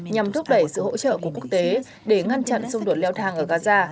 nhằm thúc đẩy sự hỗ trợ của quốc tế để ngăn chặn xung đột leo thang ở gaza